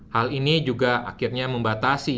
hal ini juga akhirnya membatasi